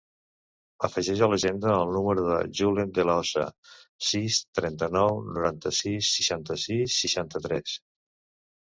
Afegeix a l'agenda el número del Julen De La Osa: sis, trenta-nou, noranta-sis, seixanta-sis, seixanta-tres.